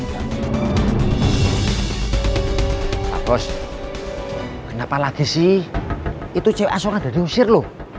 pak kos kenapa lagi sih itu cewek asoknya udah diusir loh